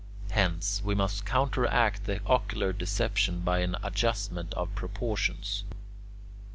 Hence, we must counteract the ocular deception by an adjustment of proportions.